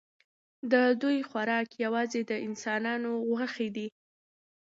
د دوی خوراک یوازې د انسانانو غوښې دي.